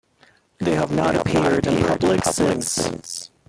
They have not appeared in public since.